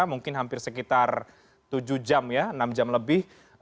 mungkin hampir sekitar tujuh jam ya enam jam lebih